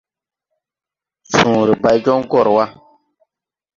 Sõõre bay jon gɔr ga.